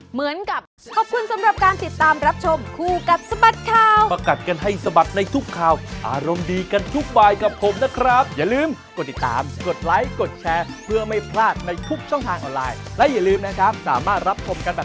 เหมือนกับ